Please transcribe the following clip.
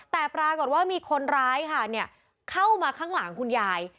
แต่ปรากฏว่ามีคนร้ายค่ะเข้ามาข้างหลังคุณยาย